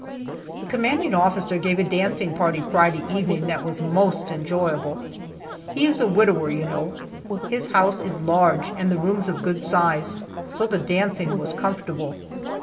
The commanding officer gave a dancing party Friday evening that was most enjoyable. He is a widower, you know. His house is large, and the rooms of good size, so that dancing was comfortable.